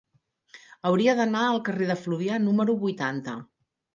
Hauria d'anar al carrer de Fluvià número vuitanta.